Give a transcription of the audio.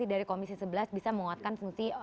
dari komisi sebelas bisa menguatkan fungsi